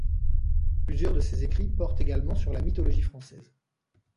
Plusieurs de ses écrits portent également sur la mythologie française.